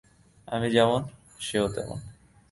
আমি যেমন, সেও তেমন।